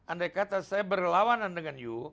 andai kata saya berlawanan dengan you